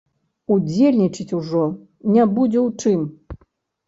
Удзельнічаць ужо не будзе ў чым.